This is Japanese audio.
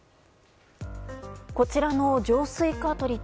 こちらの浄水カートリッジ。